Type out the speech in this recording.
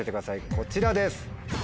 こちらです。